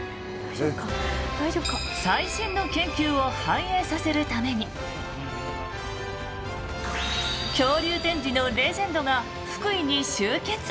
最新の研究を反映させるために恐竜展示のレジェンドが福井に集結。